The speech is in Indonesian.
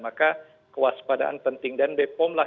maka kewaspadaan penting dan bepom lah